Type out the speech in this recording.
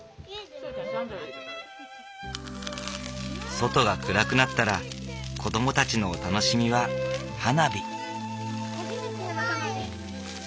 外が暗くなったら子どもたちのお楽しみは花火。